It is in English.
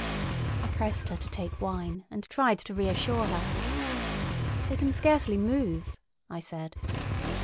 I pressed her to take wine, and tried to reassure her. "They can scarcely move," I said.